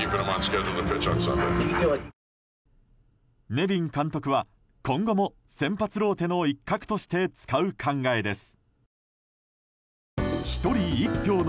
ネビン監督は今後も先発ローテの一角として使う考えです。